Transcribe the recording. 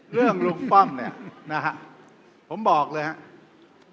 เรื่องลุงป้อมเนี่ยผมบอกเลยครับ